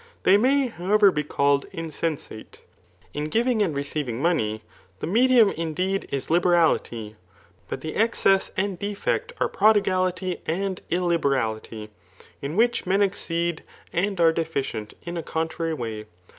They may, however, be called insensate. In giving and recdving money, the medium indeed is liberality, but the excess and defect are prodigality and illibcrality ; in which men exceed and are deficient in a contrary way.